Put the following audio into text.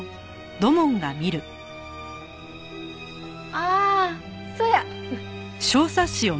ああそや！